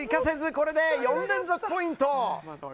これで４連続ポイント。